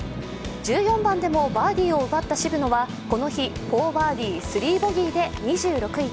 １４番でもバーディーを奪った渋野はこの日４バーディー、３ボギーで２６位